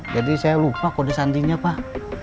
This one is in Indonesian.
jadi saya lupa kode sandinya pak